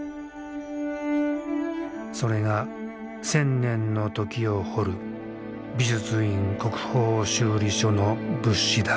それが千年の時を彫る美術院国宝修理所の仏師だ。